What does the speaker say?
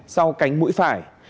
sau cánh mũi phải